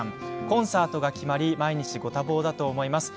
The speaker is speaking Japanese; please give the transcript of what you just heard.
コンサートが決まり毎日ご多忙だと思います。